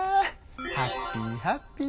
ハッピーハッピー。